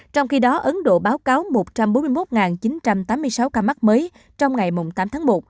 trong khi đó ấn độ báo cáo một trăm bốn mươi một chín trăm tám mươi sáu ca mắc mới trong ngày tám tháng một